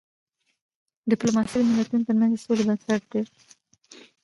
ډيپلوماسی د ملتونو ترمنځ د سولې بنسټ دی.